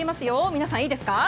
皆さん、いいですか？